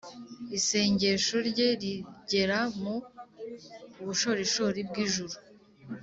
isengesho rye rigera mu bushorishori bw’ijuru.